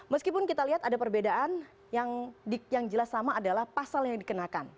meskipun kita lihat ada perbedaan yang jelas sama adalah pasal yang dikenakan